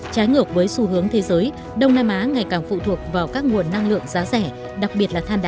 trái ngược với xu hướng thế giới đông nam á ngày càng phụ thuộc vào các nguồn năng lượng giá rẻ đặc biệt là than đá